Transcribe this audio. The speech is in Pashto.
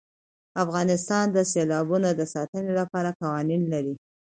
افغانستان د سیلابونه د ساتنې لپاره قوانین لري.